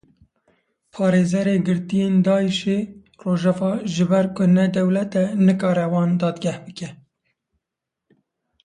Parêzerê girtiyên Daişî; Rojava ji ber ku ne dewlet e nikare wan dadgeh bike.